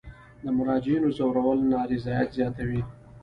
د مراجعینو ځورول نارضایت زیاتوي.